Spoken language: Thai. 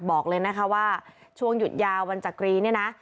บอกเลยนะคะว่าช่วงหยุดยาววันจักรีเนี่ยนะ